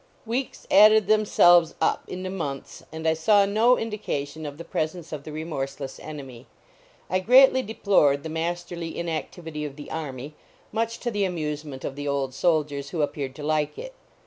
Weeks added themselves up into months and I saw no indication of the presence of the remorseless enemy. I greatly deplored the masterly inactivity of the army, much to the amusement of the old soldiers, who appeared to like it.